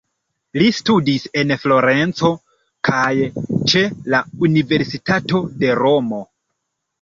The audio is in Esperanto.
Li studis en Florenco kaj ĉe la universitato de Romo.